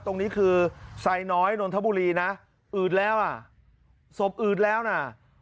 ตรงนี้คือไซน้อยนนทบุรีนะอืดแล้วอ่ะศพอืดแล้วน่ะ